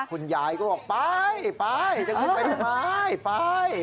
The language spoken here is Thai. คุณยายก็บอกไปไปไปไปไป